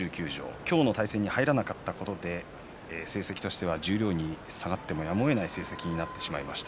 今日の対戦に入れなかったことで成績としては十両に下がってもやむをえない成績になってしまいました。